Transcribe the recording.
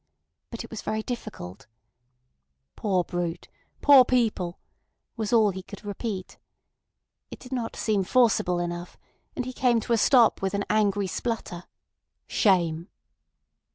But it was very difficult. "Poor brute, poor people!" was all he could repeat. It did not seem forcible enough, and he came to a stop with an angry splutter: "Shame!"